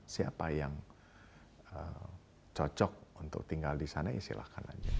siapa yang cocok untuk tinggal di sana ya silahkan aja